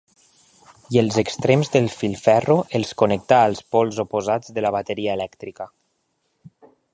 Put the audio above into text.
I els extrems del filferro els connectà als pols oposats de la bateria elèctrica.